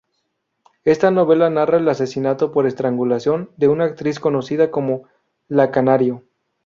Esta novela narra el asesinato por estrangulación de una actriz conocida como "La Canario".